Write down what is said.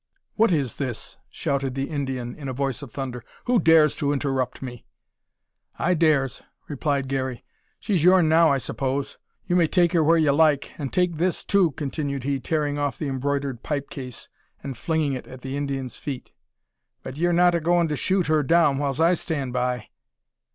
"What is this?" shouted the Indian, in a voice of thunder. "Who dares to interrupt me?" "I dares," replied Garey. "She's yourn now, I suppose. You may take her whar ye like; and take this too," continued he, tearing off the embroidered pipe case, and flinging it at the Indian's feet; "but ye're not a goin' to shoot her down whiles I stand by."